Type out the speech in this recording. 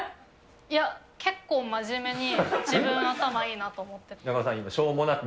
いや、結構真面目に自分頭いいなと思ってて。